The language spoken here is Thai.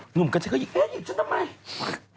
หนุ่มกันจะคิดเอ๊ะอยู่ฉันทำไม